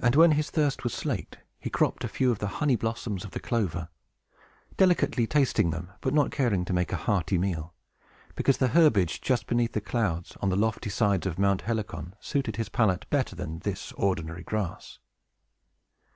And when his thirst was slaked, he cropped a few of the honey blossoms of the clover, delicately tasting them, but not caring to make a hearty meal, because the herbage, just beneath the clouds, on the lofty sides of Mount Helicon, suited his palate better than this ordinary grass.